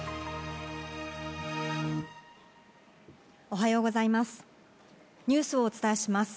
おはようございます。